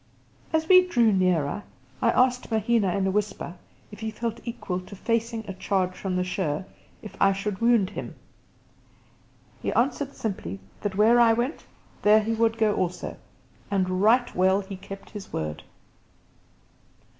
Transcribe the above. As we drew nearer, I asked Mahina in a whisper if he felt equal to facing a charge from the sher if I should wound him. He answered simply that where I went, there would he go also; and right well he kept his word.